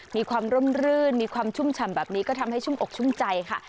ความร่มรื่นมีความชุ่มฉ่ำแบบนี้ก็ทำให้ชุ่มอกชุ่มใจค่ะ